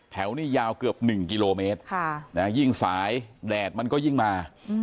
แถวนี้ยาวเกือบ๑กิโลเมตรยิ่งสายแดดมันก็ยิ่งมา